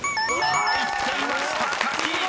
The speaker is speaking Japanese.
［入っていました「かき」］